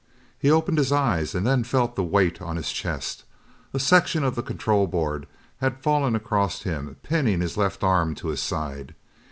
He opened his eyes and then felt the weight on his chest. A section of the control board had fallen across him pinning his left arm to his side.